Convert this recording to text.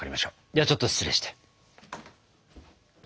ではちょっと失礼して。